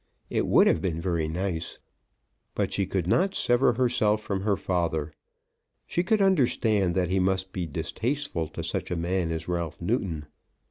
It would have been very nice. But she could not sever herself from her father. She could understand that he must be distasteful to such a man as Ralph Newton.